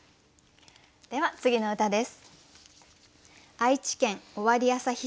では次の歌です。